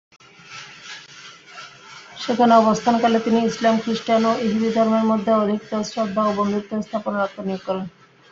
সেখানে অবস্থানকালে তিনি ইসলাম, খ্রিষ্টান ও ইহুদী ধর্মের মধ্যে অধিকতর শ্রদ্ধা ও বন্ধুত্ব স্থাপনে আত্মনিয়োগ করেন।